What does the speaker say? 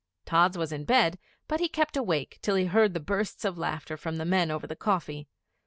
Tods was in bed, but he kept awake till he heard the bursts of laughter from the men over the coffee.